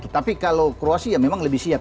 tapi kalau kroasia memang lebih siap